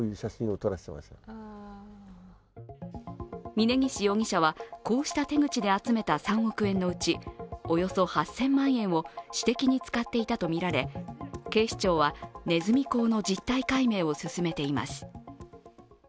峯岸容疑者は、こうした手口で集めた３億円のうち、およそ８０００万円を私的に使っていたとみられ警視庁は、ねずみ講の実態解明を進めています。